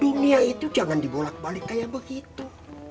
dunia itu jangan dibolak balik kayak begitu